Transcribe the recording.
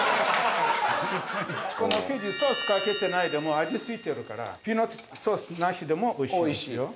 この生地ソースかけてないでも味ついてるからピーナッツソースなしでも美味しいですよ。